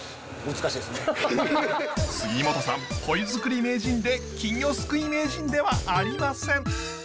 杉本さんポイづくり名人で金魚すくい名人ではありません。